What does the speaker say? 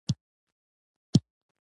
چوکۍ د دفتر یوه اړتیا ده.